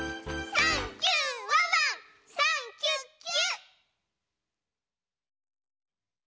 「サンキュ！ワンワンサンキュッキュ！」